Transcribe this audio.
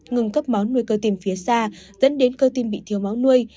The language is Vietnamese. ngừng cấp máu nguy cơ tim phía xa dẫn đến cơ tim bị thiếu máu nuôi